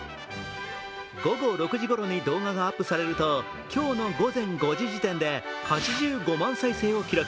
午後６時ごろに動画がアップされると、今日の午前５時時点で８５万再生を記録。